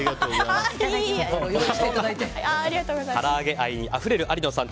から揚げ愛にあふれる有野さん